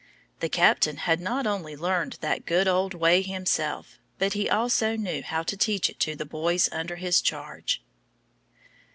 The captain had not only learned that good old way himself, but he also knew how to teach it to the boys under his charge.